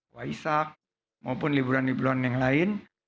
waisak maupun liburan liburan yang lain